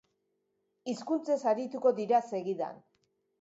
Hizkuntzez arituko dira segidan.